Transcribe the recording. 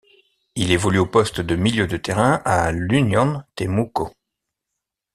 Il évolue au poste de milieu de terrain à l'Unión Temuco.